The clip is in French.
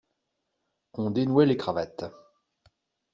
On dénouait les cravates.